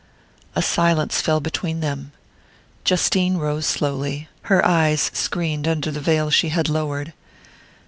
A silence fell between them. Justine rose slowly, her eyes screened under the veil she had lowered.